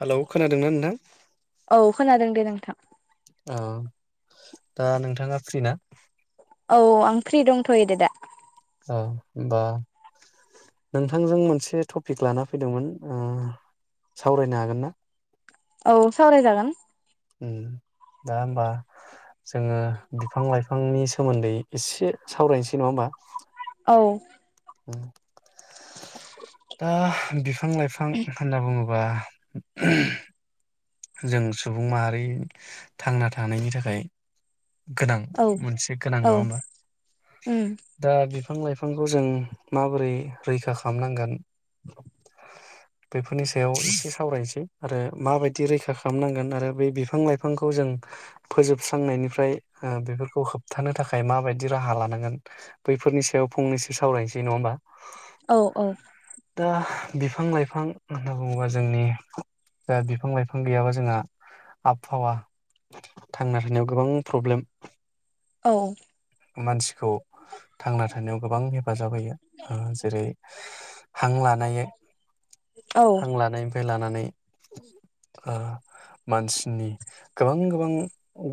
Hello खोनादोंना नोंथां? औ खोनादों दे नों थां औ दा नोंथाङा फ्रिना औ आं फ्रि दंथ'यो दे दा औ होमबा नोंथांजों मोनसे टपिक लाना फैदोंमोन ओ सावरायनो हागोन ना औ सावरायजागोन। ओम दा होमबा जोङो बिफां लाइफांनि सोमोन्दै एसे सावरायनोसै नङा होमबा औ [inaudible] दा बिफां-लाइफां होनना बुङो बा जों सुबुं माहारि थांना थानायनि थाखाय गोनां औ मोनसे गोनां औ नङा होमबा उम दा बे बिफां-लाइफांखौ जों माबोरै रैखा खामनांगोन बेफोरनि सायाव एसे सावरायनोसै आरो माबायदि रैखा खामनांगोन आरो बै बिफां-लाइफांखौ जों फोजोबस्रांनायनिफ्रा फ्राय ओ बेफोरखौ होबथानो थाखाय माबायदि राहा लानांगोन बैफोरनि सायाव फंनैसो सावरायनोसै नङा होमबा। औ औ दा बिफां-लाइफां होनना बुङोबा जोंनि दा बिफां-लाइफां गैयाबा जोंहा आबहावा थांना थानायाव गोबां प्रब्लेम औ मानसि खौ थांना थानायाव गोबां हेफाजाब होयो ओह जेरै हां लानायै औ हां लानाय बे लानानै ओह मानसिनि गोबां गोबां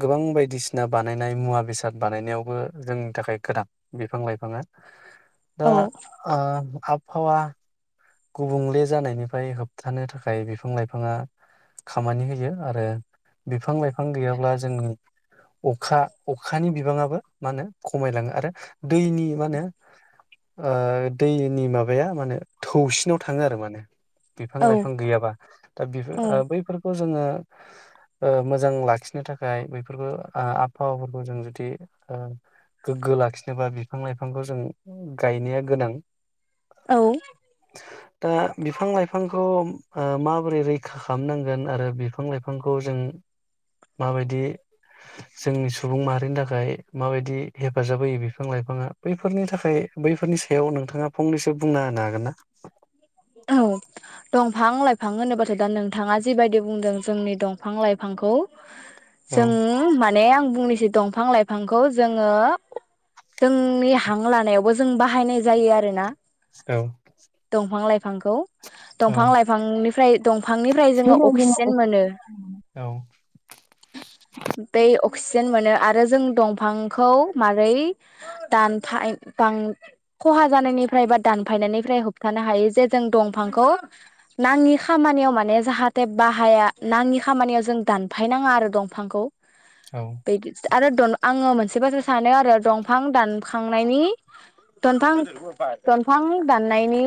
गोबां बायदिसिना बानायनाय मुवा बेसाद बानायनायावबो जोंनि थाखाय गोनां बिफां-लाइफाङा दा औ ओह आबहावा गुबुंले जानायनिफ्राय होबथानो थाखाय बिफां-लाइफाङा खामानि होयो आरो बिफां-लाइफां गैयाब्ला जोंनि अखा अखानि बिबाङाबो मा होनो खमायलाङो आरो दैनि मा होनो ओ दैनि माबाया मानो थौसिनाव थाङो आरो माने। औ बिफां-लाइफां गैयाबा दा बेफोर ओ बैफोरखौ जोङो ओह मोजां लाखिनो थाखाय बेफोरखौ आ-आबहावाफोरखौ जों जुदि ओ गोग्गो लाखिनोबा बिफां-लाइफांखौ जों गायनाया गोनां। औ दा बिफां-लाइफांखौ ओह माबोरै रैखा खालामनांगोन आरो बिफां-लाइफांखौ जों माबायदियै जोंनि सुबुं माहारिनि थाखाय माबायदि हेफाजाब होयो बिफां-लाइफाङा बैफोरनि थाखाय बैफोरनि सायाव नोंथाङा फंनैसो बुंना होनो हागोन ना? औ दंफां-लाइफां होनोबाथाय दा नोंथाङा जिबायदि बुंदों जोंनि दंफां-लाइफांखौ औ जों मा माने आं बुंनोसै दंफां लाइफांखौ जोङो जोंनि हां लानायावबो जों बाहायनाय जायो आरोना औ दमफां-लाय बिफांखौ औ दंफां लाइफांनि फ्राय दं फांनिफ्राय जों अक्सिजेन मोनो। औ बै अक् क्सिजेन मोनो आरो जों दंफांखौ मारै दानफाय दां खहा जानायनिफ्राय बा दानफायनायनिफ्राय होब थानो हायो जे जों दंफांखौ नाङि खामानियाव माने जाहाथे बाहाया नाङि खामानियाव जों दानफायनाङा आरो दंफांखौ। औ बैदि जा आरो दन आङो मोनसे बाथ्रा सानो आरो दंफां दानखांनायनि दनफां दनफां दाननाय नि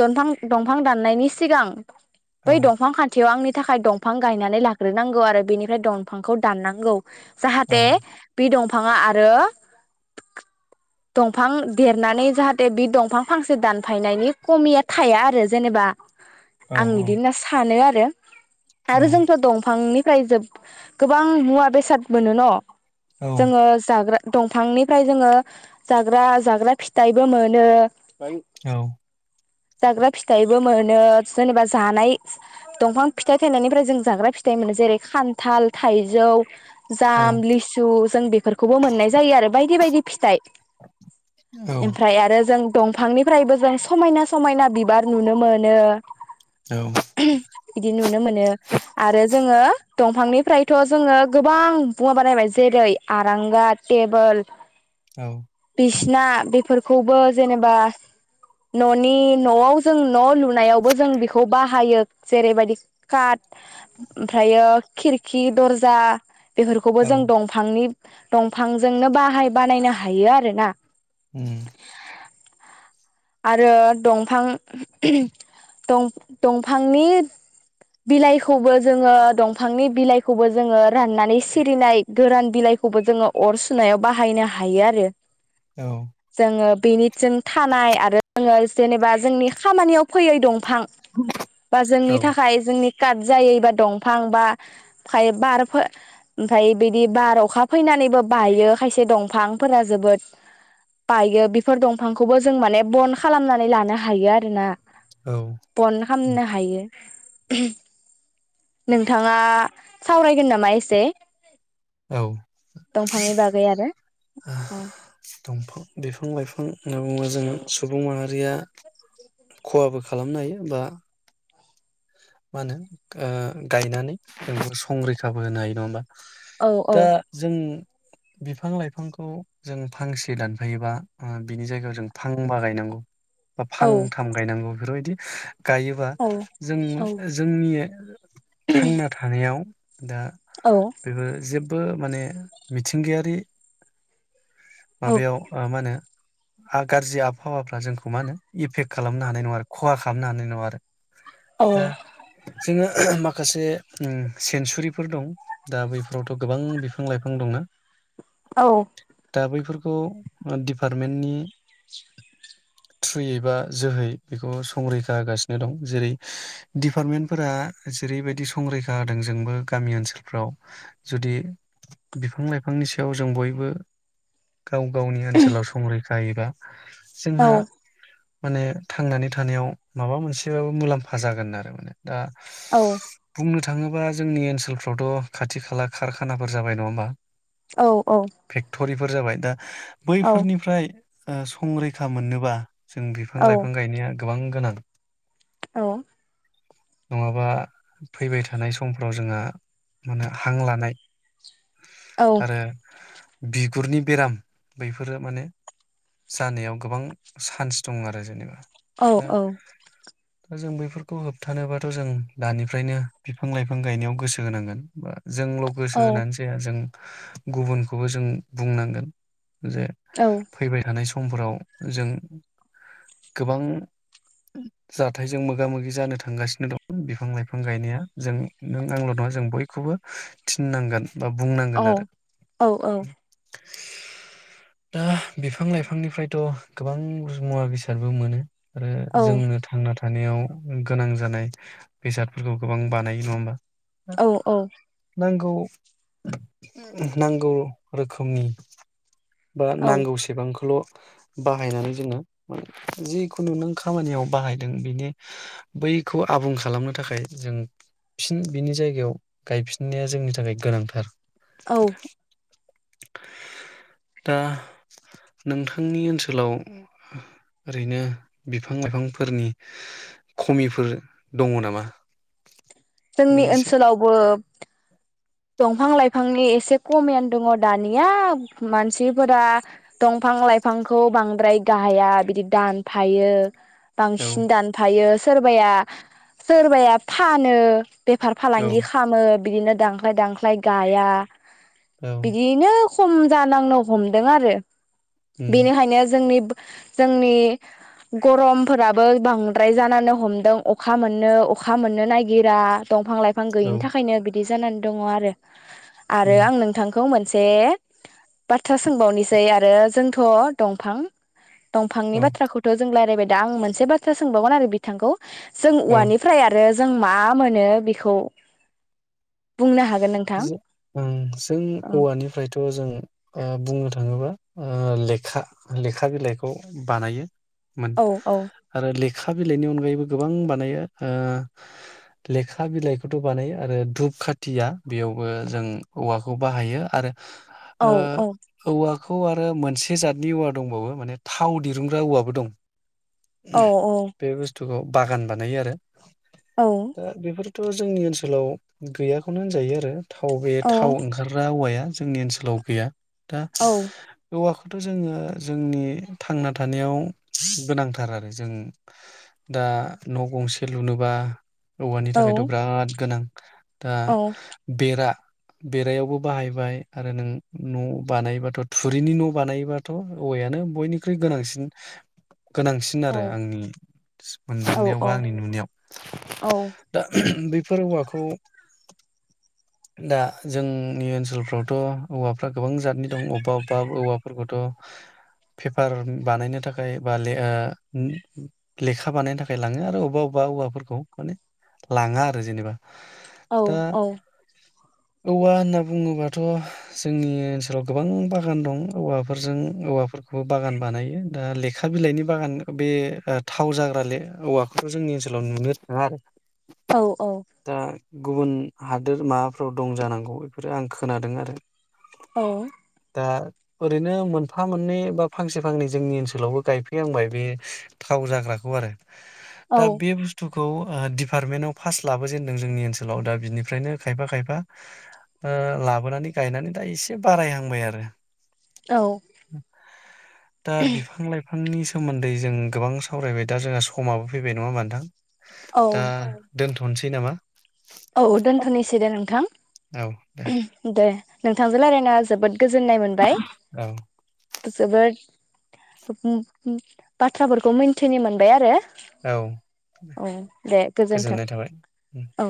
दनफां दंफां दाननायनि सिगां औ बै दंफां खान्थियाव आंनि थाखाय दंफां गायनानै लाग्रोनांगौ आरो बेनिफ्राय दंफांखौ दाननांगौ। औ जाहाथे बि दं फाङा आरो दंफां देरनानै जाहाथे बि दंफां फांसे दानफायनायनि खमिया थाया आरो जेनोबा औ आं इदि होनना सानो आरो रो आरो औ जोंथ' दंफांनि फ्राय जोब गोबां मुवा बेसाद मोनो न'? जोङो जाग्रा दंफांनिफ्राय जोङो जाग्रा जाग्रा फिथाइबो मोनो औ। जाग्रा फिथाइबो मोनो जेनोबा जानाय दंफां फिथाइ थायनायनिफ्राय जों जाग्रा फिथाइ मोनो जेरै खान्थाल थाइजौ जाम लिसु जों बेफोरखौबो मोननाय जायो आरो बायदि बायदि। फिथाइ ओमफ्राय आरो जों फांनिफ्रायबो जों समायना समायना बिबार नुनो मोनो। औ। बिदि नुनो मोनो आरो जोङो दंफांनिफ्रायथ जोङो गोबां मुवा बानायबाय जेरै आरांगा टेबोल औ। बिसिना बेफोरखौबो जेनोबा न'नि न'आव जों न' लुनायावबो जों बेखौ बाहायो जेरैबायदि काट ओमफ्रायो खिरखि दर्जा बेफोरखौबो जों औ दंफांनि दंफांजोंनो बाहाय बानायनो हायो आरोना। उम। आरो दंफां दं दंफांनि बिलाइखौबो जोङो दंफांनि बिलाइखौबो जोङो राननानै सिरिनाय गोरान बिलाइखौबो जोङो अर सुनायाव बाहायनो हायो आरो। औ [inaudible] जोंङो बेनि जों थानाय आरो आङो जेनेबा जोंनि खामानियाव फैयै दं फां बा जोंनि औ थाखाय जोंनि काट जायै एबा दंफां बा फाय बार ओमफ्राय बिदि बार अखा फैनानैबो बायो खायसे दंफांफोरा जोबोद बायो बेफोर दंफांखौबो जों माने बन खालामनानै लानो हायो आरोना औ [inaudible] बन खामनो हायो नोंथाङा सावरायगोन नामा एसे? औ [inaudible] दंफांनि बागै आरो दंफां बिफां लाइफां होनना बुङो जों सुबुं माहारिया खहाबो खालामनो हायो बा मा होनो ओ गायनानै जों बेखौ संरैखाबो होनो हायो नङा होमबा औ औ दा जों बिफां लाइफांखौ जों फांसे दानफायोबा बिनि जायगायाव जों फांबा गायनांगौ। बा औ फांथाम गायनांगौ बेफोरबायदि बिदि [unintelligible] गायोबा औ औ जों नियो थांना थानायाव दा औ बेबो जेब बो माने मिथिंगायारि औ माबायाव मा ओ होनो हा गाज्रि आबहावाफ्रा जोंखौ मा होनो इफेक खालामनो हानाय नङा आरो खहा खालामनो हानाय नङा आरो औ [inaudible] दा जोङो ओह माखासे अ सेनसुरिफोर दं दा बैफोरावथ' गोबां बिफां लाइफां दंना औ दा बैफोरखौ दिपार्टमेन्टनि थ्रुयै बा जोहै बेखौ संरैखा होगासिनो दं जेरै डिपार्टमेन्टफोरा जेरैबायदि संरैखा होदों जोंबो गामि ओनसोलफ्राव जुदि बिफां लाइफांनि सायाव जों बयबो दा गाव गावनि ओनसोलाव संरैखा एबा औ जोंहा माने थांनानै थानायाव माबा मोनसेबाबो मुलाम्फा जागोन आरो माने दा औ बुंनो था थाङोबा जोंनि ओनसोलफ्रावथ' खाथि खाला खारखानाफोर जाबाय नङा होमबा औ औ बेफोर जाबाय दा बै फोर अ संरैखा मोननोबा जों बिफां लाइफां गायनाया गोबां गोनां औ नङाबा फैबाय थानाय समफ्राव जोंहा माने हां लानाय आरो बिगुरनि बेराम बैफोरो माने जानायाव गोबां चान्स दं आरो जेनेबा औ दा औ दा जों बैफोर बेफोरखौ होबथानोबाथ' जों दानिफ्रायनो बिफां लाइफां गायनायाव गोसो होनांगोन बा जोंल' गोसो औ होनानै जाया जों गुबुन खौबो जों बुंनांगोन जे औ फैबाय थानाय सम समफोराव जों गोबां जाथायजों मोगा मोगि जानो थांगासिनो दं बिफां लाइफां गायनाया जों नों आंल' नङा जों बयखौबो थिननांगोन बा बुंनांगोन आरो अ औ दा बिफां लाइफांनिफ्रायथ' गोबां मुवा बेसादबो मोनो आरो जोंनो थांना थानो थानायाव गोनां जानाय बेसादफोरखौ गोबां बानायो नङा होमबा औ नोंगौ नांगौ रोखोमनि बा औ नांगौसेबांखौल' बाहायनानै जोङो जिखुनु नों खामानियाव बाहायदों बेनि बैखौ आबुं खालामनो थाखाय जों फिन बिनि जायगायाव गायफिननाया जोंनि थाखाय गोनांथार औ दा नोंथांनि ओनसोलाव ओरैनो बिफां लाइफांफोरनि खमिफोर दङ नामा जोंनि फंनैसो ओनसोलावबो दंफां लाइफांनि एसे खमिआनो दङ दानिया मानसिफोरा दंफां लाइफांखौ बांद्राय गाया बिदि दानफायो औ बांसिन दानफायो सोरबाया सोरबाया फानो बेफार औ फालांगि खामो बिदिनो दां खाय दांख्लाय गाया। औ बिदिनो खम जालांनो हमदों आरो। उम बेनोखायनो जोंनि जोंनि गरमफोराबो बांद्राय जानानै हमदों अखा मोननो अखा मोननो नागिरा। दंफां लाइफां औ गैयिनि थाखायनो बि दि जानान दङ आरो आरो उम आं नोंथांखौ खौ मोनसे बाथ्रा सोंबावनोसै आरो जोंथ' दंफां दंफांनि औ बाथ्राखौथ' जों रायलायबाय दा आं मोनसे बाथ्रा सोंबावगोन आरो बिथांखौ जों औ औवानिफ्राय आरो जों मा मोनो बेखौ बुंनो हागोन नोंथां जों ओ जों औवानिफ्रायथ' खौ जों ओ बुंनो थाङोबा ओ लेखा लेखा बिलाइखौ बानायो मोन औ औ आरो ले खा बिलाइनि अनगायैबो गोबां बानायो ओ लेखा बिलाइखौथ' बानायो आरो धुप खा थिया बेयावबो जों औवाखौ बाहायो आरो औ ओ औवा खौ आरो मोनसे जातनि औवा दंबावो माने थाव दिरुंग्रा औवाबो दं। औ बे बुस थुखौ बागान बानायो आरो औ दा बेफोर थ' जोंनि ओनसोलाव गैया खौनो होनजायो आरो थाव बे औ थाव ओंखारग्रा औवाया जोंनि ओनसोलाव गैया। दा औ औवाखौ थ' जोङो जोंनि थांना थानायाव गोनांथार आरो जों दा न' गंसे लुनोबा औवानि औ थाखायथ' बिराद गोनां। दा औ बेरा बेरायावबो बाहायबाय आरो नों न' बानायोबाथ' थुरिनि न' बानायोबाथ' औवायानो बयनिख्रुइ गोनांसिन। गोनांसिन औ आरो आंनि औ मोनदेननायाव बा आंनि नुनायाव दा बेफोर औवाखौ दा जोंनि ओनसोलफ्रावथ' औवाफ्रा गोबां जातनि दं अबेबा अबेबा औवाफोरखौथ' पेपार बानायनो थाखाय बा ओ लेखा बानायनो थाखाय लाङो आरो अबेबा अबेबा औवाफोरखौ माने लाङा आरो जेनेबा। औ दा औ। औवा होनना बुङोबाथ' जोंनि ओनसोलाव गोबां बागान दं औवाफोरजों औवाफोरखौबो बागान बानायो दा लेखा बिलाइनि बागान बे थाव जाग्रा ले औवाखौथ' जोंनि ओनसोलाव नुनो थाङा आरो। औ औ। दा गुबुन हादोर माबाफ्राव दं जानांगौ बेफोरो आं खोनादों आरो। औ। दा ओरैनो मोनफा मोननै बा फांसे फांनै जोंनि ओनसोलावबो गायफैहांबाय बे थाव जाग्राखौ आरो। औ दा बे बुस्थु बेखौ डिपार्टमेन्टआव फास्ट लाबोेजेनदों जोंनि ओनसोलाव दा बिनि ओमफ्रायनो खायफा खायफा ओ लाबोनानै गायनानै दा एसे बारायहांबाय आरो। औ दा बिफां लाइफांनि सोमोन्दै जों गोबां सावरायबाय दा जोंहा समाबो फैबाय नङा होनबा नोथां? औ दा दोनथ नोसै नामा? औ दोनथ'नोसै दे औ दे नोंथां दे। नोंथांजों रायलायना जोबोद गोजोननाय मोनबाय औ जोबोद बाथ्राफोरखौ मिनथिनो मोनबाय आरो। औ औ दे गोजोन्थों गोजोननाय थाबाय औ।